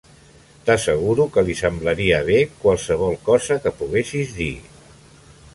T'asseguro que li semblaria bé qualsevol cosa que poguessis dir.